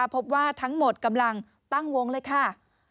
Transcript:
พบว่าทั้งหมดกำลังตั้งวงเลยค่ะ